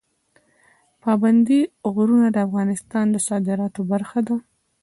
پابندی غرونه د افغانستان د صادراتو برخه ده.